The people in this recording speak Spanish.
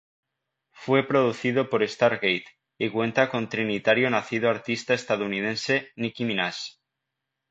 Fue producido por Stargate, y cuenta con trinitario nacido artista estadounidense Nicki Minaj.